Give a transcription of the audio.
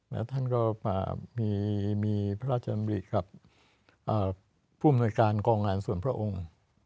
และท่านก็มีพระราชนำบร์ษักรรมกับผู้มโมยการกอร์งงานสวนพระองค์